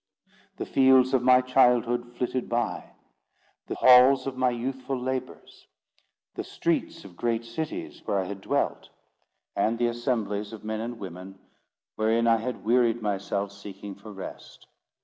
The fields of my childhood flitted by; the halls of my youthful labours; the streets of great cities where I had dwelt; and the assemblies of men and women wherein I had wearied myself seeking for rest.